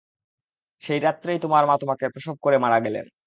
সেই রাত্রেই তোমার মা তোমাকে প্রসব করে মারা গেলেন।